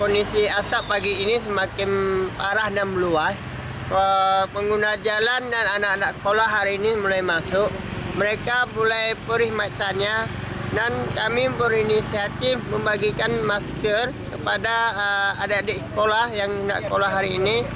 membagikan masker kepada adik adik sekolah yang tidak sekolah hari ini